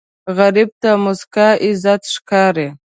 غریب ته موسکا عزت ښکاري